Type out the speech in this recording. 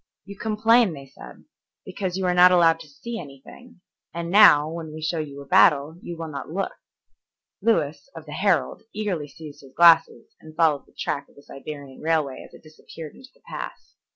"You complain," they said, "because you are not allowed to see anything, and now, when we show you a battle, you will not look." Lewis, of the Herald, eagerly seized his glasses and followed the track of the Siberian railway as it disappeared into the pass.